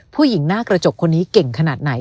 ผู้หญิงหน้ากระจกคนนี้เก่งขนาดไหน